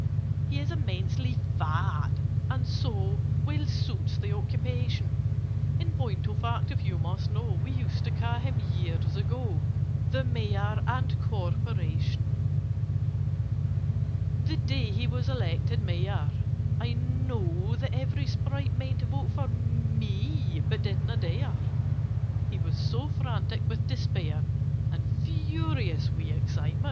"He is immensely fat, and so Well suits the occupation: In point of fact, if you must know, We used to call him years ago, The Mayor and Corporation! [Picture: He goes about and sits on folk] "The day he was elected Mayor I know that every Sprite meant To vote for me, but did not dare— He was so frantic with despair And furious with excitement.